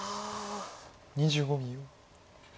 ２５秒。